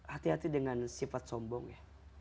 hati hati dengan sifat sombong ya